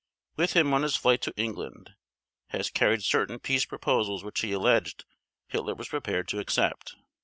With him on his flight to England, Hess carried certain peace proposals which he alleged Hitler was prepared to accept.